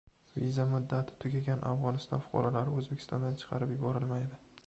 Viza muddati tugagan Afg‘oniston fuqarolari O‘zbekistondan chiqarib yuborilmaydi